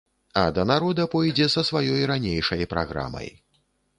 А да народа пойдзе са сваёй ранейшай праграмай.